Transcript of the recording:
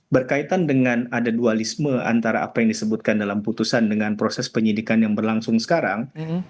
berkaitan dengan ada dualisme antara apa yang disebutkan dalam putusan dengan proses penyidikan yang berlangsung sekarang